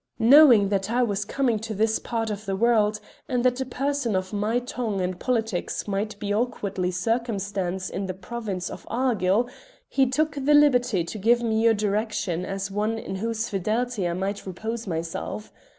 "Knowing that I was coming to this part of the world, and that a person of my tongue and politics might be awkwardly circumstanced in the province of Argyll, he took the liberty to give me your direction as one in whose fidelity I might repose myself.